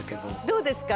どうですか？